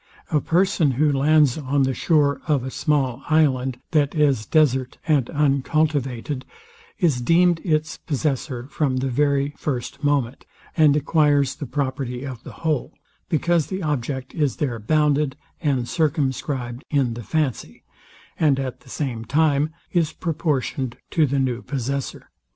A person who lands on the shore of a small island, that is desart and uncultivated, is deemed its possessor from the very first moment, and acquires the property of the whole; because the object is there bounded and circumscribed in the fancy, and at the same time is proportioned to the new possessor.